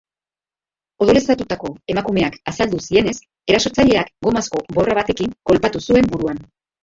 Odoleztatutako emakumeak azaldu zienez, erasotzaileak gomazko borra batekin kolpatu zuen buruan.